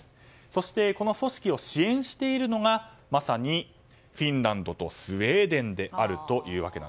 そしてこの組織を支援しているのがまさにフィンランドとスウェーデンであると。